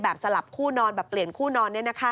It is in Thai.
สลับคู่นอนแบบเปลี่ยนคู่นอน